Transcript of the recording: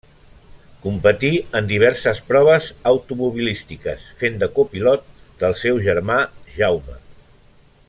Competí en diverses proves automobilístiques fent de copilot del seu germà Jaume.